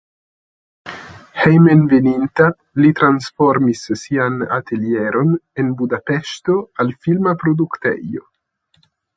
Hejmenveninta li transformis sian atelieron en Budapeŝto al filma produktejo.